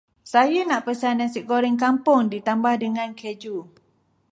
Saya nak pesan Nasi goreng kampung ditambah dengan keju.